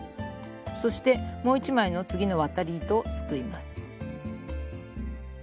そしてもう一枚の次の渡り糸をすくいます。